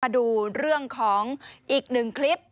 ดูเรื่องของอีกหนึ่งคลิป